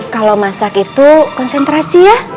kalau masak itu konsentrasi ya